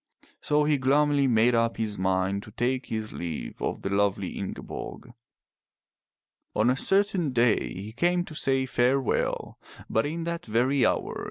So he gloomily made up his mind to take his leave of the lovely Ingeborg. On a certain day he came to say farewell, but in that very hour.